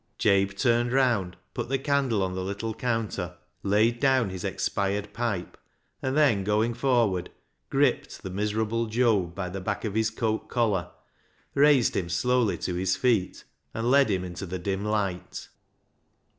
Jabe turned round, put the candle on the little counter, laid down his expired pipe, and then going forward, gripped the miserable Job by the back of his coat collar, raised him slowly to his feet, and led him into the dim light.